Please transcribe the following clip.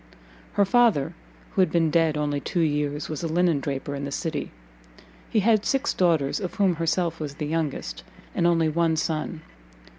Her father, who had been dead only two years, was a linen draper in the city; he had six daughters, of whom herself was the youngest, and only one son.